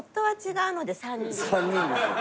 ３人です。